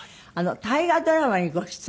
大河ドラマにご出演？